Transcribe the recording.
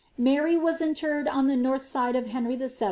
'' Mary was interred on the north side of Henry Vn.'